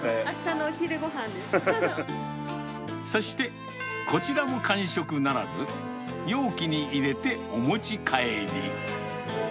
そして、こちらも完食ならず、容器に入れてお持ち帰り。